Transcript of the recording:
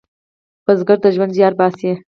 بزګر د ژوند زیار باسي